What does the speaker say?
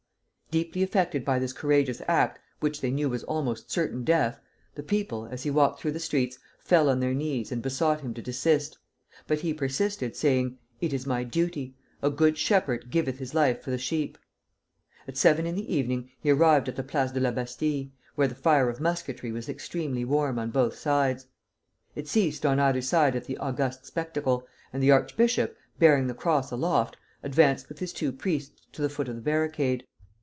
Deeply affected by this courageous act, which they knew was almost certain death, the people, as he walked through the streets, fell on their knees and besought him to desist; but he persisted, saying, 'It is my duty; a good shepherd giveth his life for the sheep.' At seven in the evening he arrived at the Place de la Bastille, where the fire of musketry was extremely warm on both sides. It ceased on either side at the august spectacle, and the archbishop, bearing the cross aloft, advanced with his two priests to the foot of the barricade.